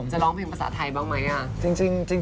ร้องเพลงภาษาไทยบ้างไหม